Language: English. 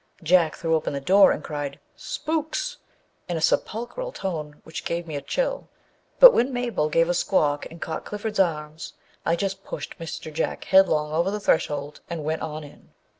Jack threw open the door and cried " Spooks !" in a sepulchral tone which gave me a chill, but when Mabel gave a squawk and caught Clifford's arm I just pushed Mr. Jack headlong over the threshold and went on in.